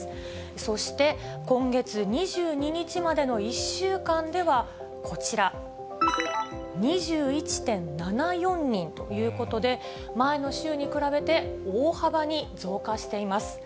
そして今月２２日までの１週間ではこちら、２１．７４人ということで、前の週に比べて、大幅に増加しています。